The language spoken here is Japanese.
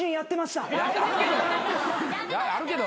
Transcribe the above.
あるけど！